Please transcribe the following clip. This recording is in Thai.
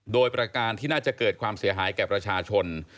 โดยประการที่น่าจะเกิดความเสียหายแก่ประชาชน